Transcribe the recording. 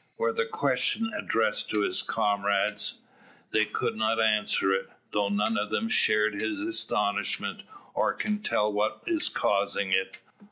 Were the question addressed to his, comrades, they could not answer it; though none of them share his astonishment, or can tell what is causing it.